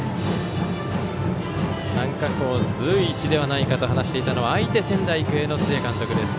参加校随一ではないかと話していたのは相手、仙台育英の須江監督です。